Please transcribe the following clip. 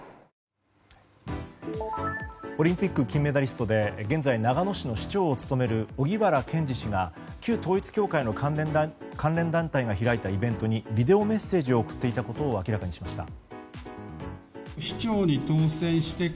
オリンピック金メダリストで現在、長野市の市長を務める荻原健司氏が旧統一教会の関連団体が開いたイベントにビデオメッセージを送っていたことを明らかにしました。